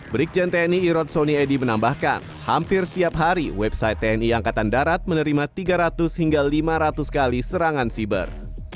brikjen tni irot soniedi menambahkan hampir setiap hari website tni angkatan darat menerima tiga ratus hingga lima ratus kali serangan siber